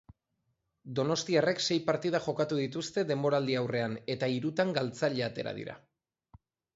Donostiarrek sei partida jokatu dituzte denboraldiaurrean eta hirutan galtzaile atera dira.